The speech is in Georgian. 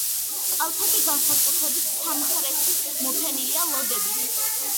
კალთები, განსაკუთრებით სამხრეთი მოფენილია ლოდებით.